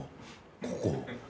ここ。